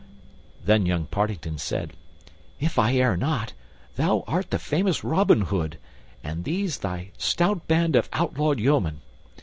Then young Partington said, "If I err not, thou art the famous Robin Hood, and these thy stout band of outlawed yeomen.